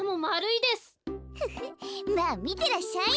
フフまあみてらっしゃい。